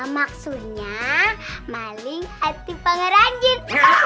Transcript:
maksudnya maling arti pengeranjit